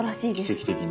奇跡的に。